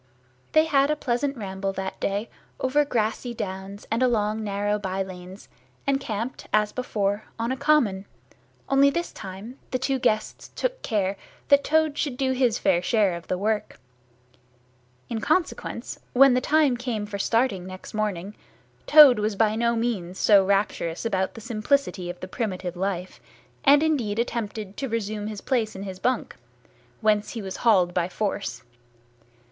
They had a pleasant ramble that day over grassy downs and along narrow by lanes, and camped as before, on a common, only this time the two guests took care that Toad should do his fair share of work. In consequence, when the time came for starting next morning, Toad was by no means so rapturous about the simplicity of the primitive life, and indeed attempted to resume his place in his bunk, whence he was hauled by force.